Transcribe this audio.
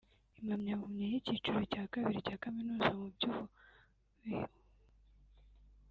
impamyabumenyi y’icyiciro cya Kabiri cya kaminuza mu by’ubukungu ndetse n’impamyabumenyi mu ibaruramari